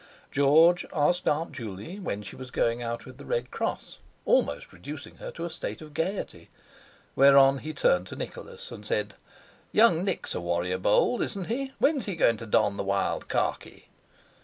George asked Aunt Juley when she was going out with the Red Cross, almost reducing her to a state of gaiety; whereon he turned to Nicholas and said: "Young Nick's a warrior bold, isn't he? When's he going to don the wild khaki?"